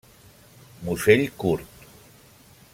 Musell curt.